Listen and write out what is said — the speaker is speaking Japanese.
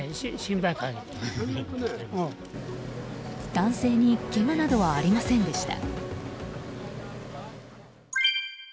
男性にけがなどはありませんでした。